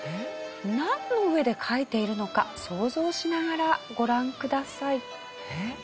なんの上で書いているのか想像しながらご覧ください。